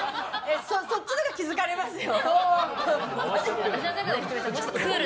そっちのほうが気づかれますよ。